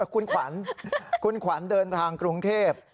คุณขวัญเขาเดินทางกรุงเทพฯ